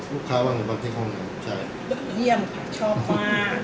ลูกค้าว่างอยู่บ้างที่ห้องนั้นใช่เยี่ยมค่ะชอบมาก